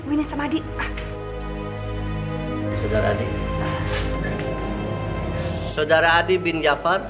wini sama adik